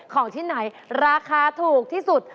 ของที่ไหนราคาถูกที่สุด